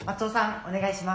お願いします。